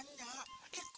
ikan pepes tau